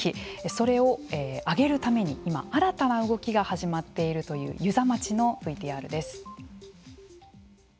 それを上げるために今新たな動きが始まっているという遊佐町のＶＴＲです。